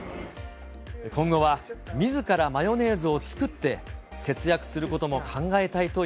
今後は、みずからマヨネーズを作って、節約することも考えたいとい